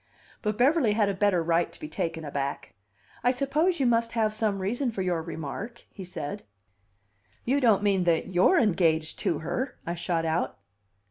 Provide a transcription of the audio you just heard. But Beverly had a better right to be taken aback. "I suppose you must have some reason for your remark," he said. "You don't mean that you're engaged to her?" I shot out.